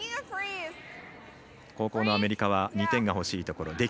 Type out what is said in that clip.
後攻のアメリカは２点が欲しいところ。